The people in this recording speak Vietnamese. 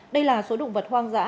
đây là số động vật hoang dã